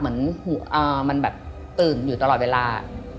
เหมือนมันแบบตื่นอยู่ตลอดเวลา